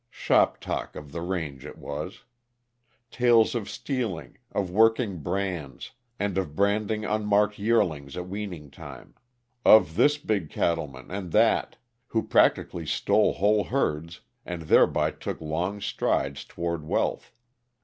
Shop talk of the range it was. Tales of stealing, of working brands, and of branding unmarked yearlings at weaning time. Of this big cattleman and that, who practically stole whole herds, and thereby took long strides toward wealth.